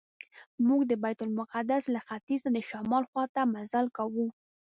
موږ د بیت المقدس له ختیځ نه د شمال خواته مزل کاوه.